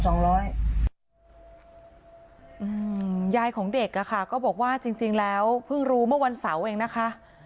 ยายของเด็กอ่ะค่ะก็บอกว่าจริงจริงแล้วเพิ่งรู้เมื่อวันเสาร์เองนะคะ